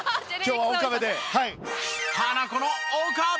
今日は岡部で。